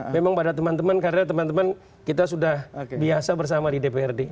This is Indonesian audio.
memang pada teman teman karena teman teman kita sudah biasa bersama di dprd